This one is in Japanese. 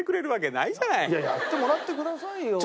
いややってもらってくださいよ。